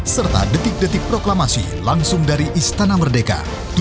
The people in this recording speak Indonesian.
serta detik detik proklamasi langsung dari istana merdeka